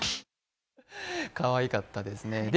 かわいかったですね。